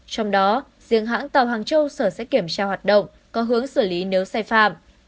trong đó riêng hãng tàu hàng châu sở sẽ kiểm tra hoạt động có hướng xử lý nếu sai phạm